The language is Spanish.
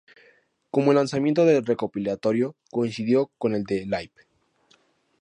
Como el lanzamiento del recopilatorio coincidió con el de "Live!